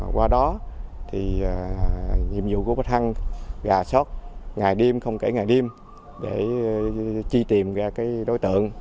qua đó thì nhiệm vụ của bác thăng gà sót ngày đêm không kể ngày đêm để chi tìm ra cái đối tượng